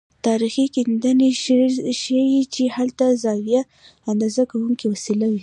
تاریخي کیندنې ښيي چې هلته زاویه اندازه کوونکې وسیله وه.